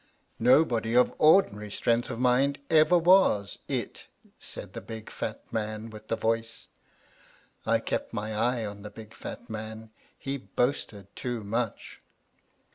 "Nobody of ordinary strength of mind ever was it," said the big fat man with the voice. I kept my eye on the big fat man. He boasted too much.